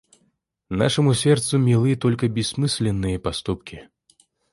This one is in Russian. Нашему сердцу милы только бессмысленные поступки.